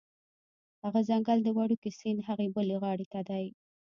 هغه ځنګل د وړوکي سیند هغې بلې غاړې ته دی